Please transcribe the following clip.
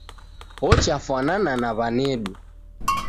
Ochafwanana ni w'anedu